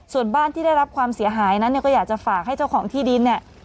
ส่วนบ้านที่ได้รับความเสียหายนั้นเนี่ยก็อยากจะฝากให้เจ้าของที่ดินเนี่ย